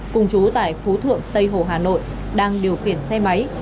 cùng chú tại phú thượng tây hồ hà nội đang điều khiển xe máy